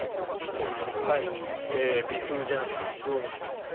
微風じゃなくて自動にしましょう。